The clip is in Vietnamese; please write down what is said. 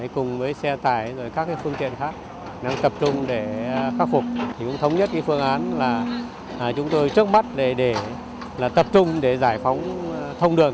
cùng với xe tải các phương tiện khác đang tập trung để khắc phục thống nhất phương án là chúng tôi trước mắt để tập trung để giải phóng thông đường